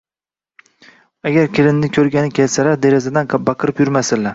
Agar kelinni ko`rgani kelsalar, derazadan baqirib yurmasinlar